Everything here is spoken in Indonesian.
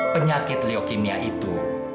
penyakit lewukimia itu